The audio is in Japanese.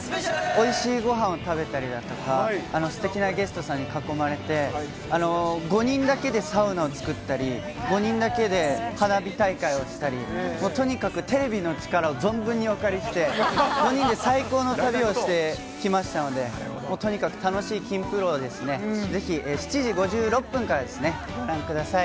おいしいごはんを食べたりだとか、すてきなゲストさんに囲まれて、５人だけでサウナを作ったり、５人だけで花火をしたり、とにかくテレビの力を存分にお借りして、５人で最高の旅をしてきましたので、もうとにかく楽しいＫｉｎｇ＆Ｐｒｉｎｃｅる。を、ぜひ７時５６分からですね、ご覧ください。